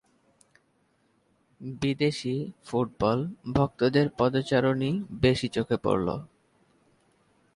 বিদেশি ফুটবল ভক্তদের পদচারণই বেশি চোখে পড়ল।